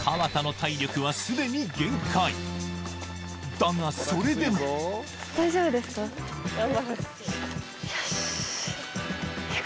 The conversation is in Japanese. だがそれでもよし！